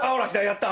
やった。